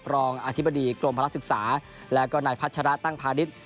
รองอธิบดีกรมพลักษณ์ศึกษาแล้วก็หน่ายพัชราตั้งพาดิศ